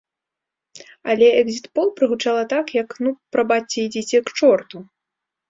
Але экзітпол прагучала так, як, ну прабачце, ідзіце к чорту!